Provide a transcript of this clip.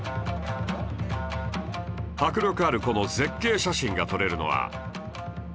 迫力あるこの絶景写真が撮れるのは